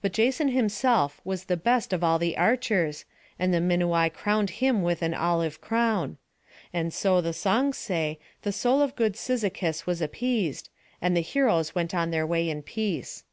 But Jason himself was the best of all the archers, and the Minuai crowned him with an olive crown; and so, the songs say, the soul of good Cyzicus was appeased, and the heroes went on their way in peace.